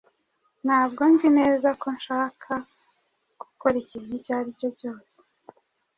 Ntabwo nzi neza ko nshaka gukora ikintu icyo ari cyo cyose.